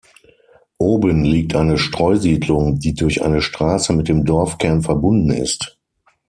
Oben liegt eine Streusiedlung, die durch eine Strasse mit dem Dorfkern verbunden ist.